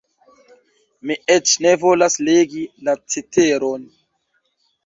Mi eĉ ne volas legi la ceteron.